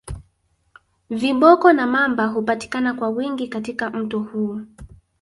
Viboko na mamba hupatikana kwa wingi katika mto huu